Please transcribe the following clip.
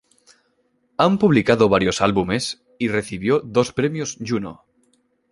Han publicado varios álbumes y recibió dos Premios Juno.